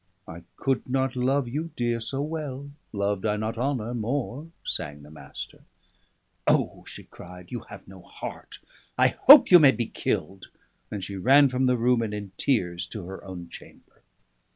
"'I could not love you, dear, so well, loved I not honour more,'" sang the Master. "O!" she cried, "you have no heart I hope you may be killed!" and she ran from the room, and in tears, to her own chamber.